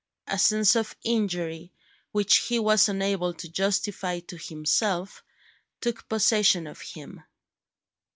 A sense of injury, which he was unable to justify to himself, took possession of him.